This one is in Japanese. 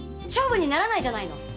勝負にならないじゃないの。